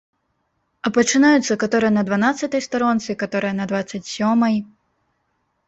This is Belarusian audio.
А пачынаюцца каторая на дванаццатай старонцы, каторая на дваццаць сёмай.